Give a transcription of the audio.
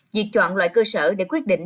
việc chọn loại cơ sở để quyết định